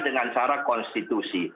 dengan cara konstitusi